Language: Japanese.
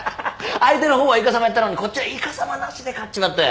相手の方はいかさまやったのにこっちはいかさまなしで勝っちまったよ。